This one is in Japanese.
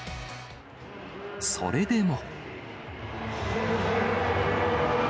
それでも。